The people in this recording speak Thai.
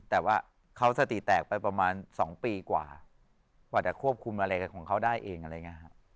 แต่ว่าเขาสติแตกไปประมาณ๒ปีกว่าว่าจะควบคุมอะไรของเขาได้เอง